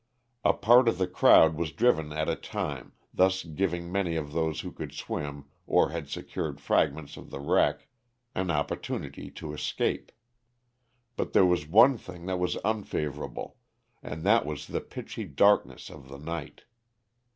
A part of the crowd was driven at a time, thus giving many of those who could swim or had secured frag ments of the wreck an opportunity to escape. But there was one thing that was unfavorable, and that was the pitchy darkness of the night.